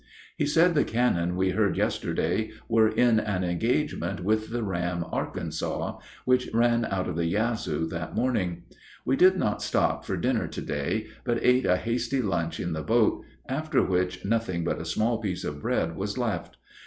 He said the cannon we heard yesterday were in an engagement with the ram Arkansas, which ran out of the Yazoo that morning. We did not stop for dinner to day, but ate a hasty lunch in the boat, after which nothing but a small piece of bread was left.